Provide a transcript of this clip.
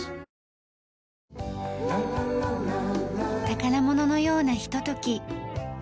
宝物のようなひととき。